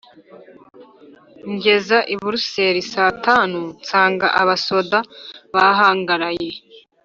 ingeza i Bruseli sa tanu, nsanga abasoda bahangaraye,